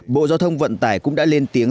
bộ giao thông vận tải cũng đã lên tiếng